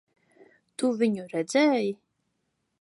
Tu viņu redzēji?